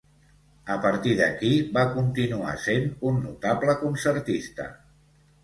A partir d'aquí va continuar sent un notable concertista.